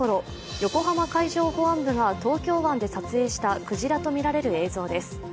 横浜海上保安部が東京湾で撮影したクジラと見られる映像です。